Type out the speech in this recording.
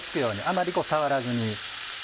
あまり触らずに。